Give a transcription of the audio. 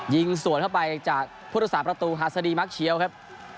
ยิงสวนเข้าไปจากพุทธศาสประตูฮาซาดีมักเชียวครับ